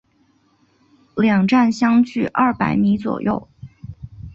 两站相距二百米左右。